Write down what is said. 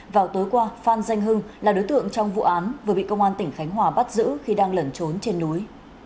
vào tối qua phan danh hưng là đối tượng trong vụ án vừa bị công an tỉnh khánh hòa bắt giữ khi đang lẩn trốn trên núi